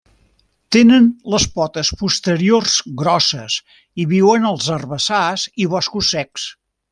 Tenen les potes posteriors grosses i viuen als herbassars i boscos secs.